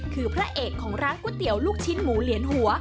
คือพระเอกของร้านก๋วยเตี๋ยวลูกชิ้นหมูเหลียนหัว